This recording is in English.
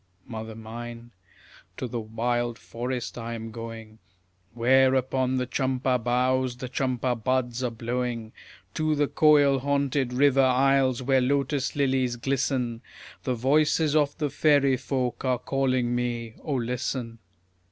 Mother mine, to the wild forest I am going, Where upon the champa boughs the champa buds are blowing; To the koil haunted river isles where lotus lilies glisten, The voices of the fairy folk are calling me: O listen!